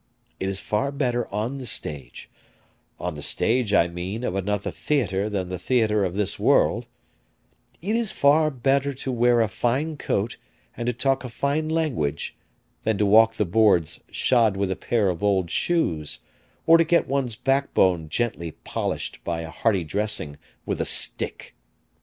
It is far better on the stage on the stage, I mean, of another theater than the theater of this world it is far better to wear a fine coat and to talk a fine language, than to walk the boards shod with a pair of old shoes, or to get one's backbone gently polished by a hearty dressing with a stick.